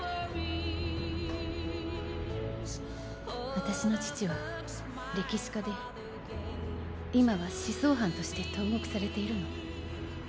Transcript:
私の父は歴史家で今は思想犯として投獄されているの。